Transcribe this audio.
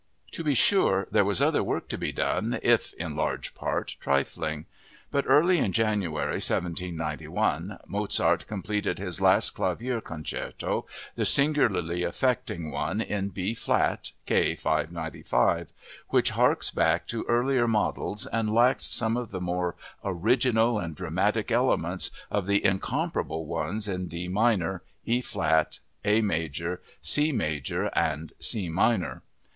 To be sure, there was other work to be done, if in large part trifling. But early in January 1791, Mozart completed his last clavier concerto, the singularly affecting one in B flat (K. 595), which harks back to earlier models and lacks some of the more original and dramatic elements of the incomparable ones in D minor, E flat, A major, C major, and C minor.